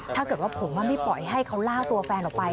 ถ้าผมไม่บ่อยให้เขาล่าตัวแฟนออกไป